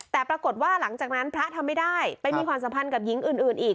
แต่ปรากฏว่าหลังจากนั้นพระทำไม่ได้ไปมีความสัมพันธ์กับหญิงอื่นอีก